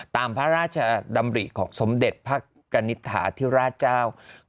ตามพระราชดำริของสมเด็จพระกณิตฐาธิราชเจ้า